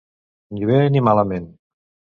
Ni bé, ni malament.